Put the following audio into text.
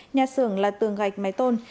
nhà xưởng là tường gạch mái tôn